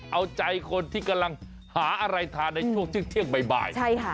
เอาใจคนที่กำลังหาอะไรทานในช่วงเที่ยงบ่าย